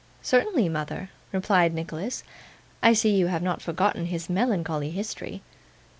'Certainly, mother,' replied Nicholas. 'I see you have not forgotten his melancholy history.